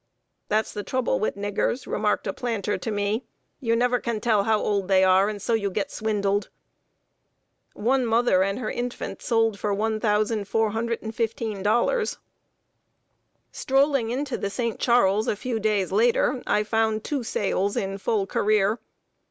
"That's the trouble with niggers," remarked a planter to me; "you never can tell how old they are, and so you get swindled." One mother and her infant sold for $1,415. Strolling into the St. Charles, a few days later, I found two sales in full career.